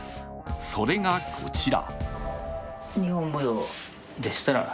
それがこちら。